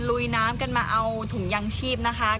ลุยน้ำกันมาเอาถุงยางชีพนะคะ